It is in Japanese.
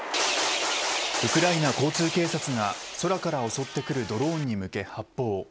ウクライナ交通警察が空から襲ってくるドローンに向け発砲。